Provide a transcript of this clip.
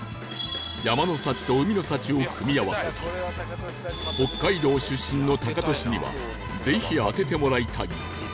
山の幸と海の幸を組み合わせた北海道出身のタカトシにはぜひ当ててもらいたい